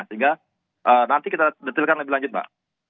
sehingga nanti kita detilkan lebih lanjut mbak